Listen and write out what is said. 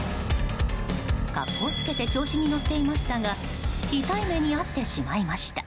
格好つけて調子に乗っていましたが痛い目に遭ってしまいました。